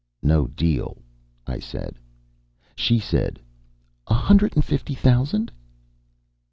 "No deal," I said. She said: "A hundred and fifty thousand?"